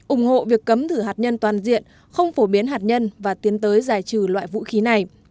ủng hộ việc cấm thử hạt nhân toàn diện không phổ biến hạt nhân và tiến tới giải trừ loại vũ khí này